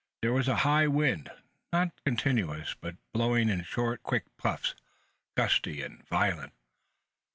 There was a high wind, not continuous, but blowing in short, quick puffs gusty and violent.